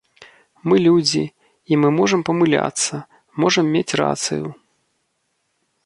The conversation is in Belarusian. Мы людзі, і мы можам памыляцца, можам мець рацыю.